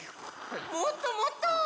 もっともっと！